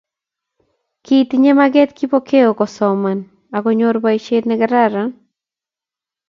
Kitinye maget Kipokeo kosoman akonyor boisiet nekararan